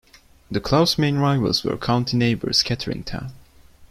The club's main rivals were county neighbours Kettering Town.